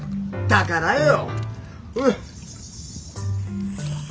だからよ。